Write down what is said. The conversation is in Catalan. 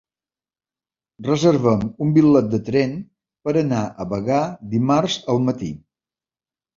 Reserva'm un bitllet de tren per anar a Bagà dimarts al matí.